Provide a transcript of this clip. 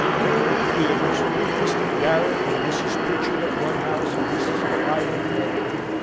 There were the theatres, with Mr. Garrick and Mrs. Pritchard at one house, and Mrs. Clive at another.